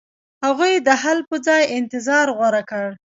هغوی د حل په ځای انتظار غوره کړ.